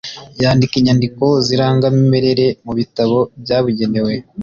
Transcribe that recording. yandika inyandiko z’irangamimerere mu bitabo byabugenewe